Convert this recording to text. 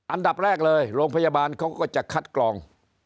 อันดับแรกเลยโรงพยาบาลเขาก็จะคัดกรอง